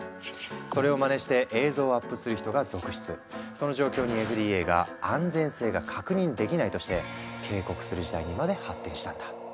その状況にＦＤＡが「安全性が確認できない」として警告する事態にまで発展したんだ。